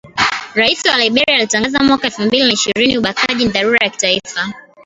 Rais wa Liberia alitangaza mwaka elfu mbili na ishirini ubakaji ni dharura ya kitaifa